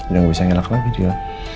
dia gak bisa ngelak lagi dia